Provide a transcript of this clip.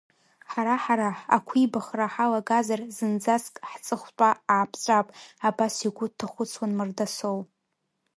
Ҳара-ҳара ақәибахра ҳалагазар, зынӡаск ҳҵыхәтәа ааԥҵәап, абас игәы дҭахәыцуан Мардасоу.